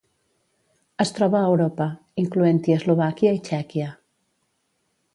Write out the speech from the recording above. Es troba a Europa, incloent-hi Eslovàquia i Txèquia.